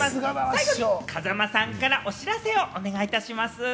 最後に風間さんからお知らせをお願いします。